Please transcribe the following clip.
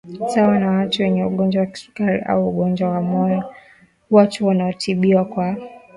Sawa na watu wenye ugonjwa wa kisukari au ugonjwa wa moyo watu wanaotibiwa kwa